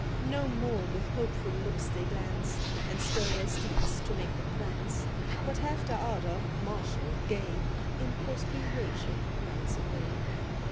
No more with hopeful looks they glance, And spur their steeds to make them prance; But half their ardour, martial, gay, In perspiration melts away.